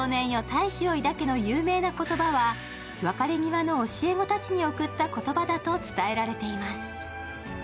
大志を抱け」の有名な言葉は別れ際の教え子たちに贈った言葉だと伝えられています。